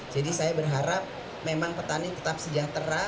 jadi saya berharap memang petani tetap sejahtera